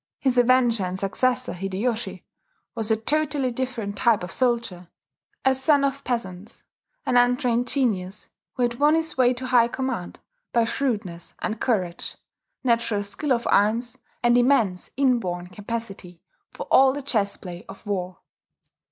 His avenger and successor, Hideyoshi, was a totally different type of soldier: a son of peasants, an untrained genius who had won his way to high command by shrewdness and courage, natural skill of arms, and immense inborn capacity for all the chess play of war.